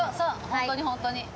本当に本当に。